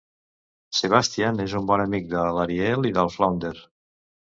Sebastian és un bon amic de l"Ariel i del Flounder.